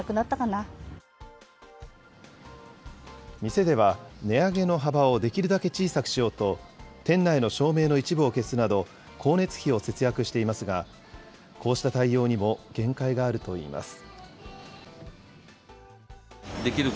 店では、値上げの幅をできるだけ小さくしようと、店内の照明の一部を消すなど、光熱費を節約していますが、こうした対応にも限界があるといいます。